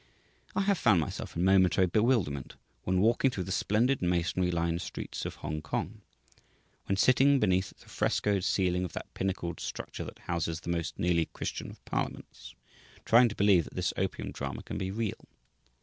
I have found myself in momentary bewilderment when walking through the splendid masonry lined streets of Hongkong, when sitting beneath the frescoed ceiling of that pinnacled structure that houses the most nearly Christian of parliaments, trying to believe that this opium drama can be real.